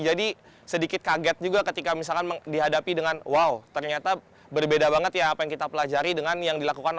sedikit kaget juga ketika misalkan dihadapi dengan wow ternyata berbeda banget ya apa yang kita pelajari dengan yang dilakukan